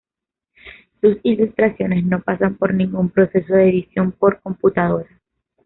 Sus ilustraciones no pasan por ningún proceso de edición por computadora.